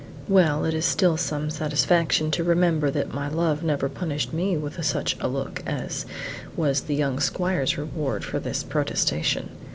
Well, it is still some satisfaction to remember that my love never punished me with such a look as was the young squire's reward for this protestation.